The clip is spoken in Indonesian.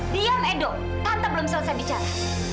diam edu tante belum selesai bicara